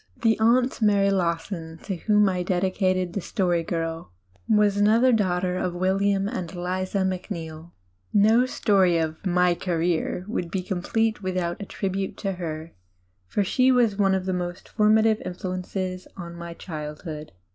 The "Aunt Mary Lawson," to whom I dedicated The Story Girl, was another daughter of William and Eliza Mac neill. No story of my "career" would be complete without a tribute to her, for she was one of the formative influences of my childhood.